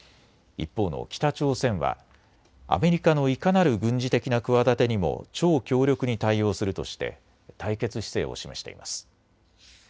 一方の北朝鮮はアメリカのいかなる軍事的な企てにも超強力に対応するとして対決姿勢を示しています。